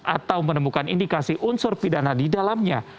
atau menemukan indikasi unsur pidana di dalamnya